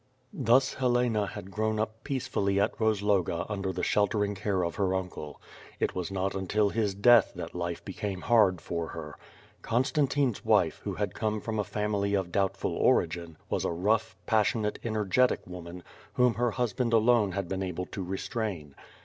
Thus Helena had grown up peacefully at Rozloga under the sheltering care of her uncle. It was not until his death that life became hard for her. Constantine's wife, who had come from a family of doubtful origin, was a rough, pas sionate, energetic woman, whom her husband alone had been able to restrain.